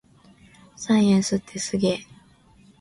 サイエンスってすげぇ